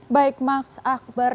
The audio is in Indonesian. baik mas akbar